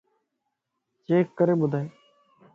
چيڪ ڪري ٻڌائي